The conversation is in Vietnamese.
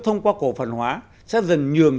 thông qua cổ phần hóa sẽ dần nhường